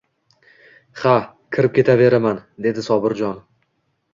Ha, kirib ketaveraman, – dedi Sobirjon.